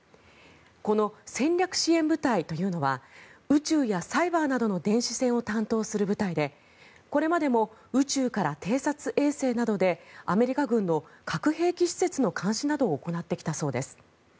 この戦略支援部隊というのは宇宙やサイバーなどの電子戦を担当する部隊でこれまでも宇宙から偵察衛星などでアメリカ軍の核兵器施設の監視などを行ってきたそうです。